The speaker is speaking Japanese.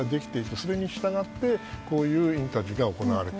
それに従ってこういうインタビューが行われた。